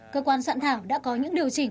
cơ quan soạn thảo đã có những điều chỉnh